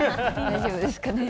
大丈夫ですかね。